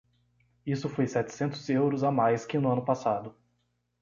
Isso foi setecentos euros a mais que no ano passado.